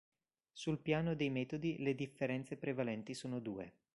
Sul piano dei metodi le differenze prevalenti sono due.